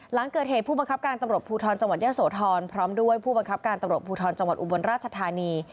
หลังเกิดเหตุผู้บังคับการตำรวจภูทรจังหวัดเยอะโสธรพร้อมด้วยผู้บังคับการตำรวจภูทรจังหวัดอุบลราชธานี